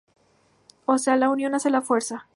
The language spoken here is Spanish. O sea, la unión hace la fuerza".